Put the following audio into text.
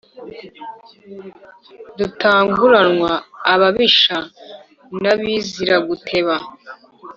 dutanguranwa ababisha na biziraguteba